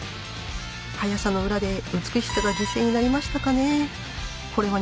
速さの裏で美しさが犠牲になりましたかね。